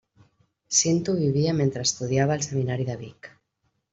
Cinto vivia mentre estudiava al seminari de Vic.